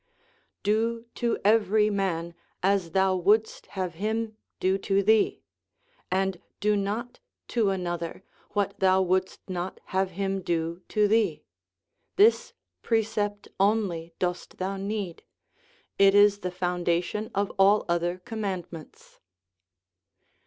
Do to every man as thou wouldst have him do to thee ; and do not to another what thou wouldst not have him do to thee. This precept only dost thou need; it is the foundation of all other commandments."